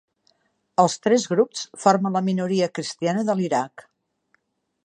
Els tres grups formen la minoria cristiana de l'Iraq.